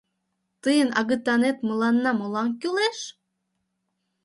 — Тыйын агытанет мыланна молан кӱлеш?